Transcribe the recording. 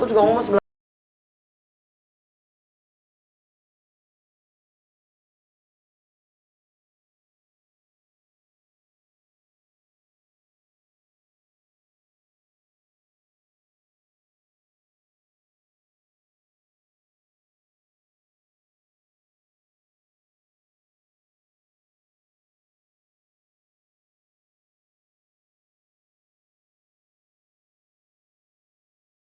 gue juga ngomong mas belom